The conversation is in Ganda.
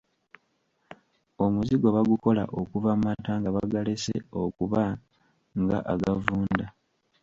Omuzigo bagukola okuva mu mata nga bagalese okuba nga agavunda.